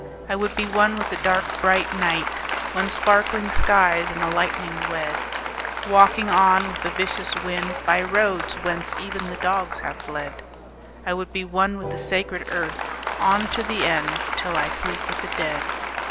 I would be one with the dark bright night When sparkling skies and the lightning wed— Walking on with the vicious wind By roads whence even the dogs have fled. I would be one with the sacred earth On to the end, till I sleep with the dead.